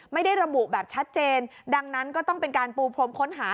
ไม่ได้ระบุแบบชัดเจนดังนั้นก็ต้องเป็นการปูพรมค้นหา